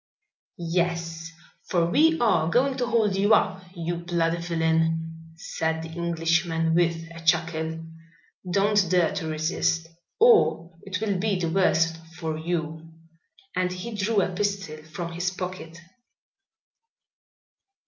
"Yes, for we are going to hold you up, you bloody villain," said the Englishman, with a chuckle. "Don't dare to resist, or it will be the worse for you," and he drew a pistol from his pocket.